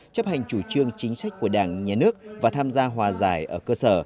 chấp hành chủ trương chính sách của đảng nhà nước và tham gia hòa giải ở cơ sở